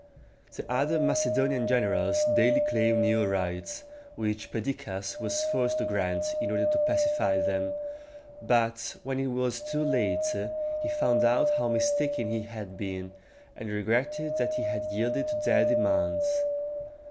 The other Macedonian generals daily claimed new rights, which Perdiccas was forced to grant in order to pacify them; but when it was too late, he found out how mistaken he had been, and regretted that he had yielded to their demands.